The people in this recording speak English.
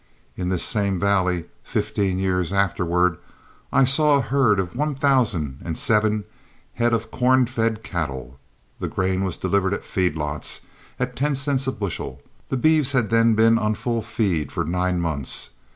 In this same valley, fifteen years afterward, I saw a herd of one thousand and seven head of corn fed cattle. The grain was delivered at feed lots at ten cents a bushel, and the beeves had then been on full feed for nine months.